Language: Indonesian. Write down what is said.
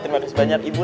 terima kasih banyak ibu